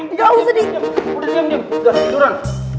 udah diam diam tiduran